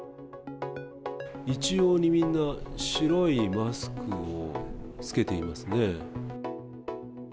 一様にみんな、白いマスクを着けていますね。